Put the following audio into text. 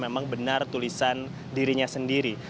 memang benar tulisan dirinya sendiri